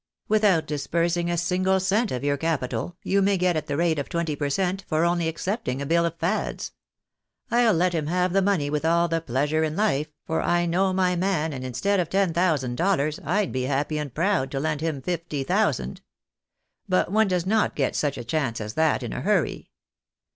AVithout disbursing a single cent of your capital, you may get at the rate of twenty per cent, for only accepting a bill of Fad's. I'U let him have the money with all the pleasure in hfe, for I know my man, and instead of ten thousand dollars, I'd be happy and proud to lend him fifty thousand. But one does not get such a chance as that in a hurry.